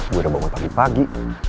gue udah bangun pagi pagi